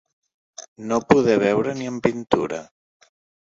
No poder veure ni en pintura.